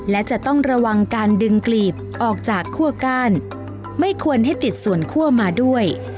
และจะต้องระวังการดึงกลีบออกจากคั่วก้านไม่ควรให้ติดส่วนคั่วมาด้วย